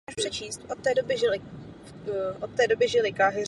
Od té doby žili Káhiře a Paříži.